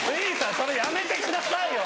それやめてくださいよ！